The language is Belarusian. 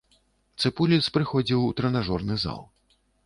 Цыпуліс прыходзіў у трэнажорны зал.